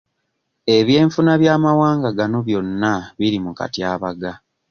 Ebyenfuna by'amawanga gano byonna biri mu katyabaga.